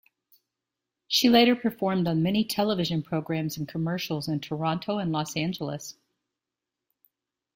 She later performed on many television programs and commercials in Toronto and Los Angeles.